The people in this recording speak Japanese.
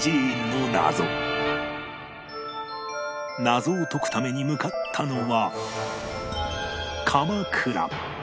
謎を解くために向かったのは